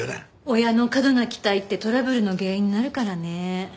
親の過度な期待ってトラブルの原因になるからね。